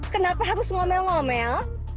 kenapa harus ngomel ngomel